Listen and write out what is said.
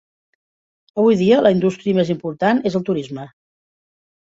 Avui dia, la indústria més important és el turisme.